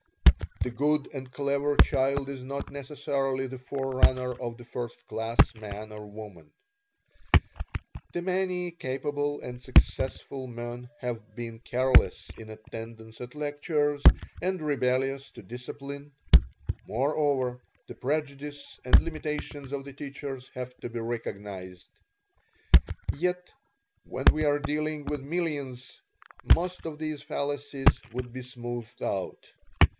"The good and clever child is not necessarily the forerunner of the first class man or woman; and many capable and successful men have been careless in attendance at lectures, and rebellious to discipline. Moreover, the prejudice and limitations of the teachers have to be recognized. Yet when we are dealing with millions most of these fallacies would be smoothed out.